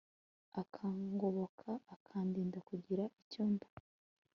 akangoboka, akandinda kugira icyo mba